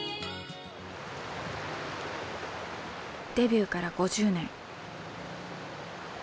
デビューから５０年。